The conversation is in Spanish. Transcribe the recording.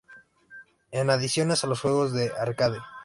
En adición a los juegos de arcade.